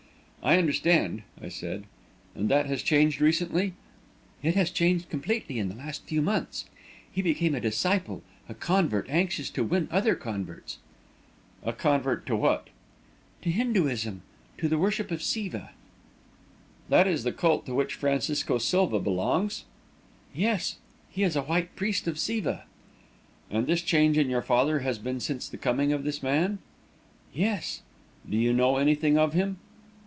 "I understand," I said. "And that has changed recently?" "It has changed completely in the last few months. He became a disciple, a convert anxious to win other converts." "A convert to what?" "To Hinduism to the worship of Siva." "That is the cult to which Francisco Silva belongs?" "Yes; he is a White Priest of Siva." "And this change in your father has been since the coming of this man?" "Yes." "Do you know anything of him?"